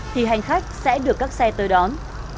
thì hành khách sẽ được các xe tới đón